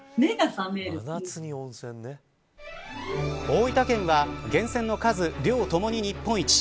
大分県は原泉の数、量ともに日本一。